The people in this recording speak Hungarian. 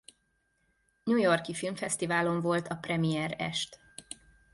New York-i filmfesztiválon volt a premier est.